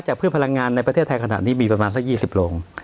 พืชพลังงานในประเทศไทยขณะนี้มีประมาณสัก๒๐โรง